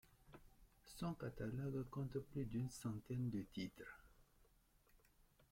Son catalogue compte plus d'une centaine de titres.